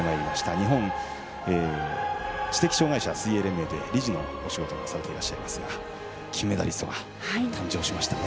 日本知的障害者水泳連盟で理事のお仕事をされていらっしゃいますが金メダリストが誕生しましたね。